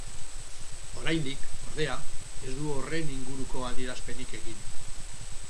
Oraindik, ordea, ez du horren inguruko adierazpenik egin.